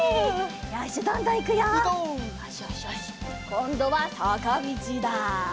こんどはさかみちだ！